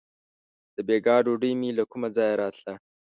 • د بېګا ډوډۍ مې له کومه ځایه راتله.